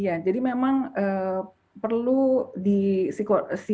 iya jadi memang perlu di si penyintas itu si korban tersebut